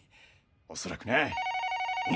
おそらくな。